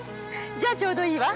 じゃあちょうどいいわ。